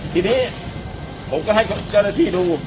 ทีนี้ผมก็ให้เจ้าหน้าที่ดู